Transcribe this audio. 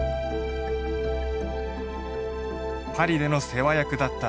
パリでの世話役だった